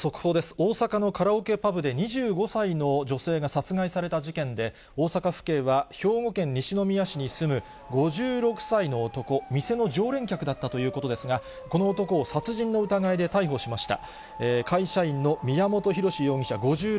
大阪のカラオケパブで２５歳の女性が殺害された事件で、大阪府警は兵庫県西宮市に住む５６歳の男、店の常連客だったということですが、この男を殺人の疑いで逮捕しました。